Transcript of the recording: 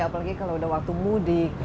apalagi kalau udah waktu mudik